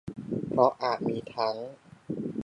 เพราะอาจมีทั้ง